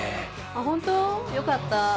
ホント？よかった。